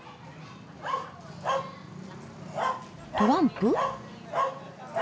トランプ？